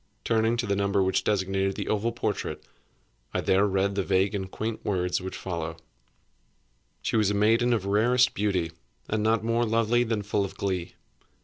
Turning to the number which designated the oval portrait, I there read the vague and quaint words which follow: "She was a maiden of rarest beauty, and not more lovely than full of glee.